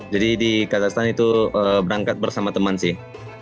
jadi di kazahstan itu berangkat bersama teman sih